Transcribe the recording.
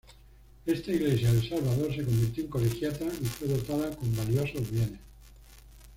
Esta iglesia del Salvador se convirtió en Colegiata, y fue dotada con valiosos bienes.